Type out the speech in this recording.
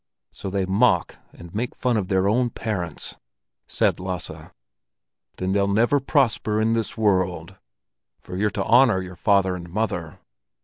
"So they mock and make fun of their own parents?" said Lasse. "Then they'll never prosper in this world, for you're to honor your father and mother.